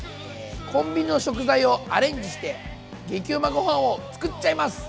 コンビニの食材をアレンジして激うまご飯を作っちゃいます！